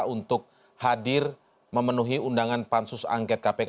untuk hadir memenuhi undangan pansus angket kpk